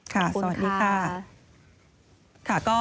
ขอบพระคุณค่ะ